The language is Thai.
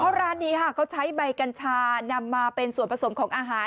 เพราะร้านนี้ค่ะเขาใช้ใบกัญชานำมาเป็นส่วนผสมของอาหาร